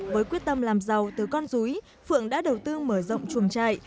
với quyết tâm làm giàu từ con rúi phượng đã đầu tư mở rộng chuồng trại